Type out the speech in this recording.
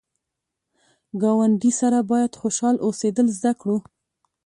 ګاونډي سره باید خوشحال اوسېدل زده کړو